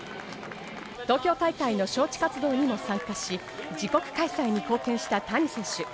東京大会の招致活動にも参加し、自国開催に貢献した谷選手。